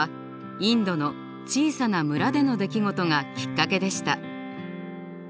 インドの小さな村での出来事がきっかけでした。